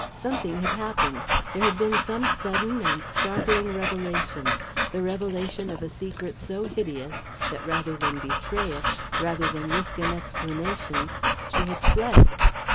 Something had happened; there had been some sudden and startling revelation the revelation of a secret so hideous that, rather than betray it, rather than risk an explanation, she had fled.